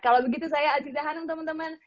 kalau begitu saya aziza hanum teman teman